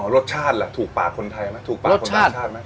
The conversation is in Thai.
รสชาติล่ะถูกปากคนไทยไหมถูกปากคนต่างชาติไหม